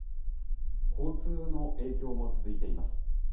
交通の影響も続いています。